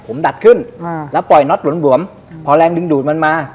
ผมดัดขึ้นอ่าแล้วปล่อยน็อตหลวมหวมพอแรงดึงดูดมันมา